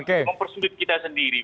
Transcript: mempersudut kita sendiri